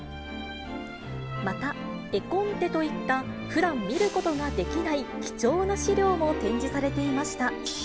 また、絵コンテといったふだん見ることができない貴重な資料も展示されていました。